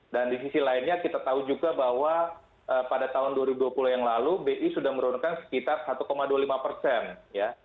dan di sisi lainnya kita tahu juga bahwa pada tahun dua ribu dua puluh yang lalu bi sudah menurunkan sekitar satu dua puluh lima persen ya